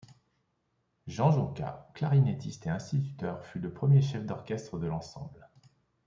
Jean Jonqua, clarinettiste et instituteur, fut le premier chef d'orchestre de l'ensemble.